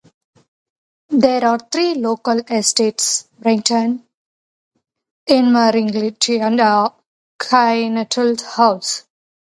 There are three local estates: Brigton, Invereighty, and Kinnettles House.